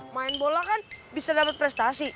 main bola kan bisa dapat prestasi